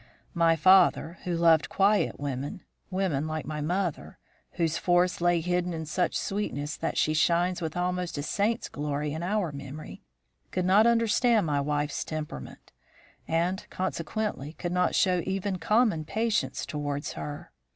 "My father, who loved quiet women women like my mother, whose force lay hidden in such sweetness that she shines with almost a saint's glory in our memory could not understand my wife's temperament; and, consequently, could not show even common patience towards her.